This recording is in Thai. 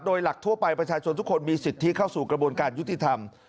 โดยหลักทั่วไปประชาชนทุกคนมีสิทธิเข้าสู่กระบวนการยุติธรรม